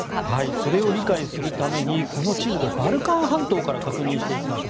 それを理解するためにこの地図でバルカン半島から確認していきましょう。